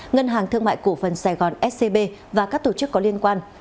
ngân hàng thương mại cổ phần sài gòn scb và các tổ chức có liên quan